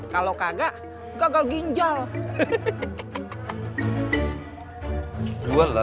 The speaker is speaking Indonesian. kalau kagak kagak ginjal